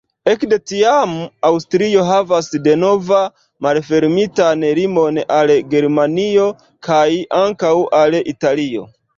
Ekde tiam Aŭstrio havas denova malfermitan limon al Germanio kaj ankaŭ al Italio.